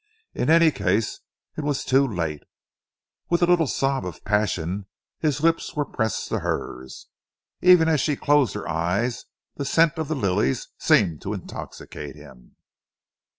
In any case it was too late. With a little sob of passion his lips were pressed to hers. Even as she closed her eyes, the scent of the lilies seemed to intoxicate him.